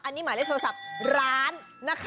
อันนี้หมายเลขโทรศัพท์ร้านนะคะ